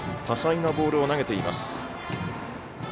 多彩なボールを投げています。